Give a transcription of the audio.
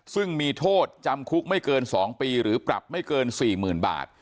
ซึ่งมีโทษจำคุกไม่เกินสองปีหรือปรับไม่เกินสี่หมื่นบาท